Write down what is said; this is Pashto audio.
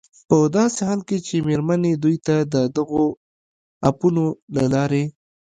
په داسې حال کې چې مېرمنې دوی ته د دغو اپونو له لارې